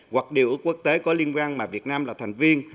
hoặc điều ước quốc tế có liên quan mà việt nam là thành viên